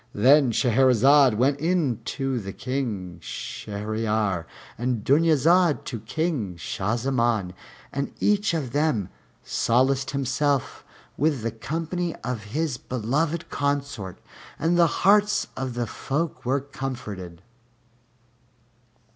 Then Shahrazad went in to King Shahryar and Dunyazad to King Shah Zaman, and each of them solaced himself with the company of his beloved consort, and the hearts of the folk were comforted.